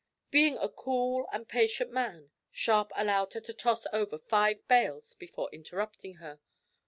Being a cool and patient man, Sharp allowed her to toss over five bales before interrupting her.